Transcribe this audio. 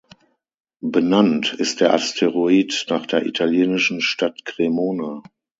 Benannt ist der Asteroid nach der italienischen Stadt Cremona.